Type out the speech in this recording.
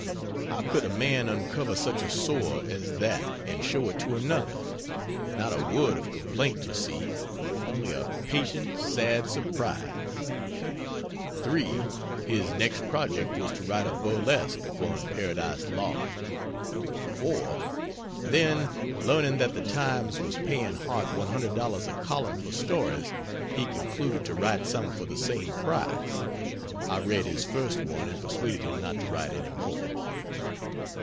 How could a man uncover such a sore as that and show it to another? Not a word of complaint, you see only a patient, sad surprise. 3. His next project was to write a burlesque upon Paradise Lost. 4. Then, learning that the Times was paying Harte $100 a column for stories, he concluded to write some for the same price. I read his first one and persuaded him not to write any more.